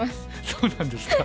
そうなんですか。